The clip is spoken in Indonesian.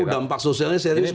dampak sosialnya serius